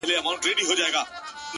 • گراني په دې ياغي سيتار راته خبري کوه،